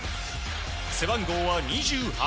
背番号は２８。